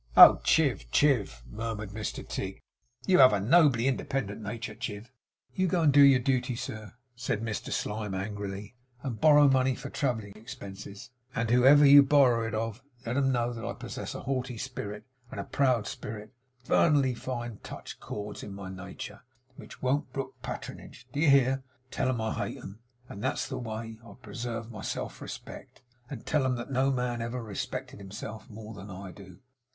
'Oh Chiv, Chiv,' murmured Mr Tigg, 'you have a nobly independent nature, Chiv!' 'You go and do your duty, sir,' said Mr Slyme, angrily, 'and borrow money for travelling expenses; and whoever you borrow it of, let 'em know that I possess a haughty spirit, and a proud spirit, and have infernally finely touched chords in my nature, which won't brook patronage. Do you hear? Tell 'em I hate 'em, and that that's the way I preserve my self respect; and tell 'em that no man ever respected himself more than I do!